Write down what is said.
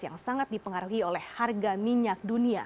yang sangat dipengaruhi oleh harga minyak dunia